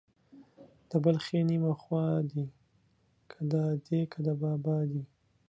د بل ښې نيمه خوا دي ، که د ادې که د بابا دي.